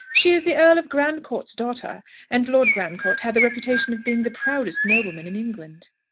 She is the Earl of Grandcourt's daughter; and Lord Grandcourt had the reputation of being the proudest nobleman in England."